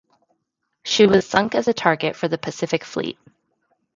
She was sunk as a target for the Pacific Fleet.